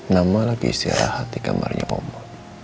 mama lagi istirahat di kamarnya oma